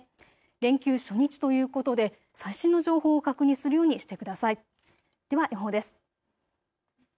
連休初日ということで最新の情報を確認するようにしてください。